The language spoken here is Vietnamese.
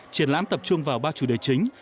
triển lãm tập trung vào ba chủ đề chính